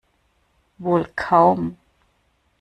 Wohl kaum.